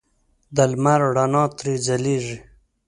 د لمر رڼا ترې ځلېږي.